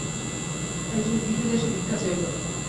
এক জন ভিখিরি এসে ভিক্ষা চাইল।